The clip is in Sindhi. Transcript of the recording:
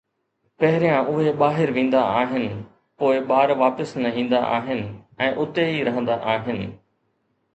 پهريان اهي ٻاهر ويندا آهن، پوءِ ٻار واپس نه ايندا آهن ۽ اتي ئي رهندا آهن